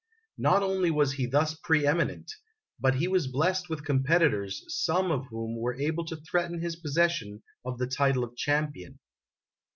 Not only was he thus preeminent, but he was blessed with competitors some of whom were able to threaten his possession of the title of champion.